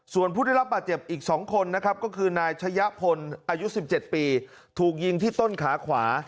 ส่วนผู้ได้รับบาดเจ็บอีก๒คนนะครับก็คือนายชะยะพลอายุ๑๗ปีถูกยิงที่ต้นขาขวา